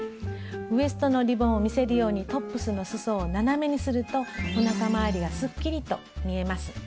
ウエストのリボンを見せるようにトップスのすそを斜めにするとおなかまわりがすっきりと見えます。